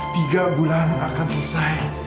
dan akan selesai